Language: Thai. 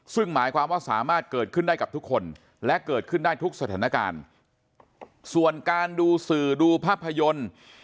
ซึ่งหมายความว่าสามารถเกิดขึ้นได้กับทุกคนและเกิดขึ้นได้ทุกสถานการณ์ส่วนการดูสื่อดูภาพยนตร์